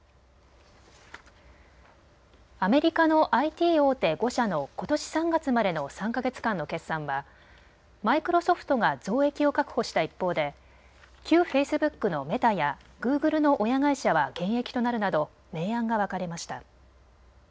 アメリカのＩＴ大手５社のことし３月までの３か月間の決算はマイクロソフトが増益を確保した一方で旧フェイスブックのメタやグーグルの親会社は減益となるなど明暗が分かれました。